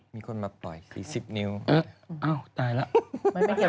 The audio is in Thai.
มีคนมาปล่อย๔๐นิ้วอ้าวตายแล้ว